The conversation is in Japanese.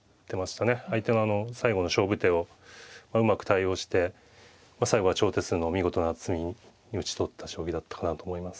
相手の最後の勝負手をうまく対応して最後は長手数の見事な詰みに討ち取った将棋だったかなと思います。